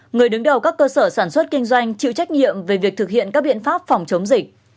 người đứng đầu các cơ sở sản xuất kinh doanh chịu trách nhiệm về việc thực hiện các biện pháp phòng chống dịch